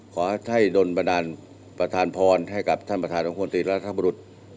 ขอให้ดนตร์ประดานประธานพรให้กับท่านประธานองค์ควรตีรัฐธรรมดุษย์